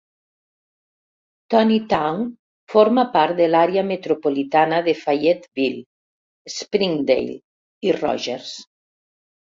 Tonitown forma part de l'àrea metropolitana de Fayetteville, Springdale i Rogers.